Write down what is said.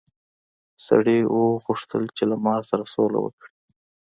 سړي وغوښتل چې له مار سره سوله وکړي.